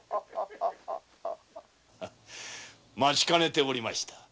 待ちかねておりました。